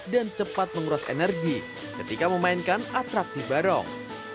dan cepat mengurus energi ketika memainkan atraksi barong